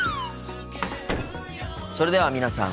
それでは皆さん